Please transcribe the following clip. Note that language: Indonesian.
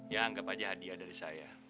ya anggap aja hadiah dari saya